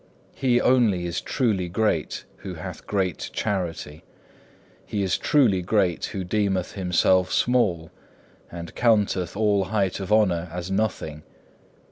He only is truly great, who hath great charity. He is truly great who deemeth himself small, and counteth all height of honour as nothing.